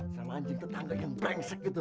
selanjing tetangga yang brengsek gitu